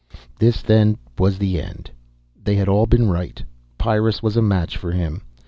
This, then, was the end. They had all been right, Pyrrus was a match for him.